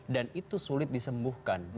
dan itu sulit disembuhkan